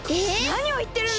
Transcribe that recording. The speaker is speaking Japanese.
なにをいってるんだ！